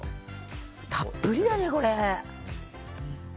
たっぷりやね、これ！